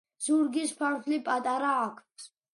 ზურგის ფარფლი პატარა აქვს.